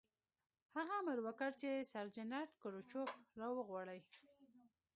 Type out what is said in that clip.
هغه امر وکړ چې سرجنټ کروچکوف را وغواړئ